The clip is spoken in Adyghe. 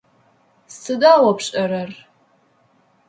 Сыда о пшӏэрэр?